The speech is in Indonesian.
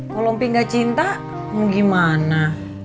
kalau pi nggak cinta mau gimana